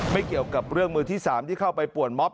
เกี่ยวกับเรื่องมือที่๓ที่เข้าไปป่วนม็อบ